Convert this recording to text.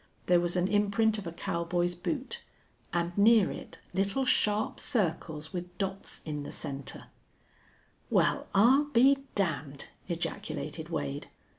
There was an imprint of a cowboy's boot, and near it little sharp circles with dots in the center. "Well, I'll be damned!" ejaculated Wade.